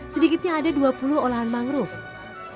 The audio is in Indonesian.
sedikitnya ada dua puluh olahan mangrove